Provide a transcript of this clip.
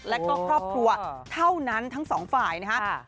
และก็ครอบครัวเท่านั้นทั้งสองฝ่ายนะครับ